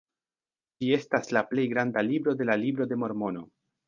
Ĝi estas la plej granda libro de la Libro de Mormono.